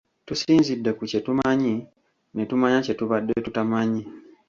Tusinzidde ku kye tumanyi ne tumanya kye tubadde tutamanyi.